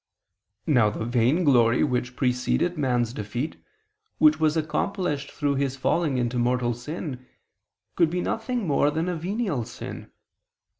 Now the vainglory which preceded man's defeat, which was accomplished through his falling into mortal sin, could be nothing more than a venial sin.